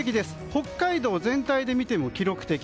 北海道全体で見ても記録的。